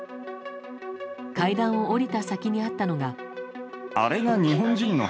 階段を下りた先にあったのが。